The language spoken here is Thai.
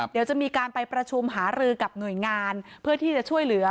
เดี๋ยวจะมีการไปประชุมหารือกับหน่วยงานเพื่อที่จะช่วยเหลือ